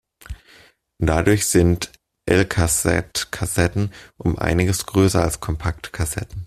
Dadurch sind Elcaset-Kassetten um einiges größer als Kompaktkassetten.